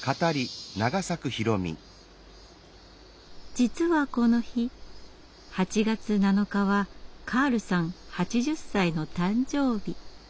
実はこの日８月７日はカールさん８０歳の誕生日。